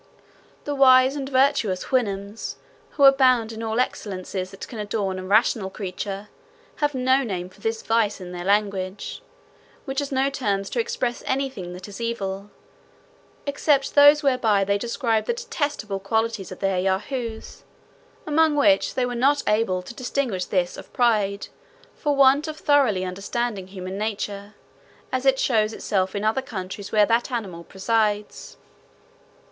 The wise and virtuous Houyhnhnms, who abound in all excellences that can adorn a rational creature, have no name for this vice in their language, which has no terms to express any thing that is evil, except those whereby they describe the detestable qualities of their Yahoos, among which they were not able to distinguish this of pride, for want of thoroughly understanding human nature, as it shows itself in other countries where that animal presides.